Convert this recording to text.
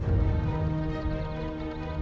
nanti aku akan datang